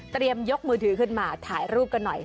ยกมือถือขึ้นมาถ่ายรูปกันหน่อย